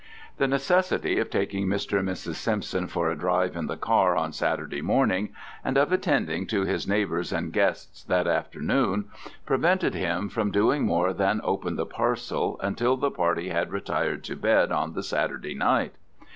The necessity of taking Mr. and Mrs. Simpson for a drive in the car on Saturday morning and of attending to his neighbours and guests that afternoon prevented him from doing more than open the parcel until the party had retired to bed on the Saturday night.